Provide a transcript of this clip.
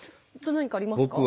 何かありますか？